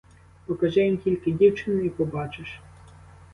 Покажи їм тільки дівчину і побачиш!